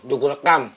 juga gue rekam